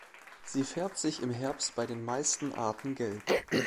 Sie färbt sich im Herbst bei den meisten Arten gelb.